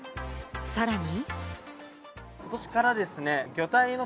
さらに。